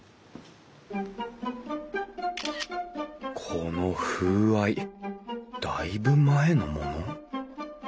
この風合いだいぶ前のもの？